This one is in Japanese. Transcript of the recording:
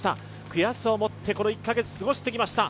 悔しさをもってこの１か月過ごしてきました。